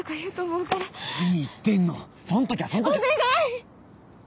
お願い！